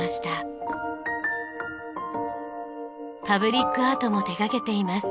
パブリックアートも手掛けています。